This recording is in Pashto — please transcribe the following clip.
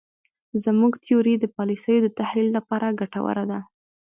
زموږ تیوري د پالیسیو د تحلیل لپاره ګټوره ده.